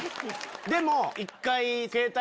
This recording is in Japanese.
でも。